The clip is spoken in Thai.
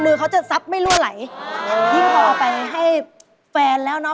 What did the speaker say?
เขาจะซับไม่รั่วไหลยิ่งพอไปให้แฟนแล้วเนอะ